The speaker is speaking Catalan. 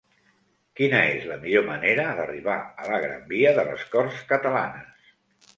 Quina és la millor manera d'arribar a la gran via de les Corts Catalanes?